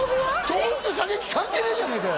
豆腐と射撃関係ねえじゃねえかよ